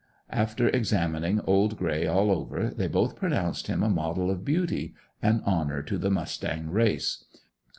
After examining old gray all over they both pronounced him a model of beauty an honor to the mustang race.